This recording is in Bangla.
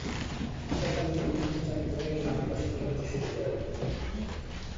সেখানে তিনি কিছু ছাত্রকে নাট্য শিক্ষা দিতে শুরু করেন।